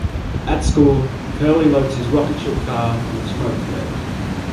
At school, Curley loads his "rocketship" car with smoke flares.